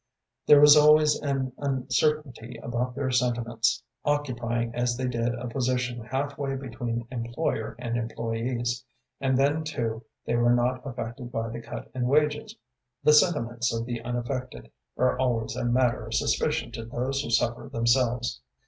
There was always an uncertainty about their sentiments, occupying as they did a position half way between employer and employés; and then, too, they were not affected by the cut in wages. The sentiments of the unaffected are always a matter of suspicion to those who suffer themselves.